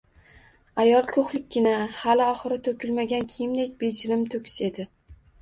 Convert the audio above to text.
Ayol ko‘hlikkina, hali ohori to‘kilmagan kiyimday bejirim, to‘kis edi